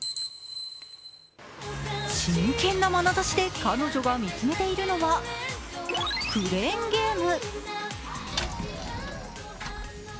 真剣なまなざしで彼女が見つめているのは、クレーンゲーム。